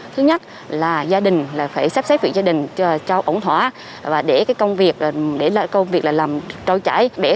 thứ nhất là gia đình phải xếp xếp việc gia đình cho ổn thỏa để công việc làm trôi trải